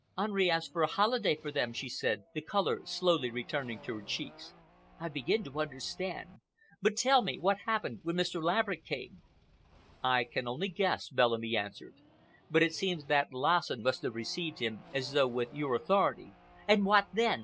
"Henri asked for a holiday for them," she said, the color slowly returning to her cheeks. "I begin to understand. But tell me, what happened when Mr. Laverick came?" "I can only guess," Bellamy answered, "but it seems that Lassen must have received him as though with your authority." "And what then?"